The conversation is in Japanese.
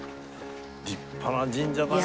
立派な神社だね！